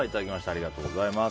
ありがとうございます。